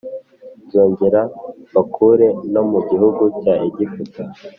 Nzongera mbakure no mu gihugu cya Egiputa